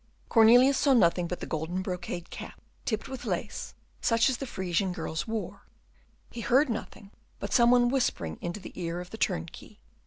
Cornelius saw nothing but the golden brocade cap, tipped with lace, such as the Frisian girls wore; he heard nothing but some one whispering into the ear of the turnkey.